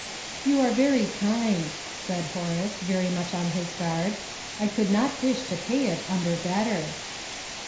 "You are very kind," said Horace, very much on his guard; "I could not wish to pay it under better."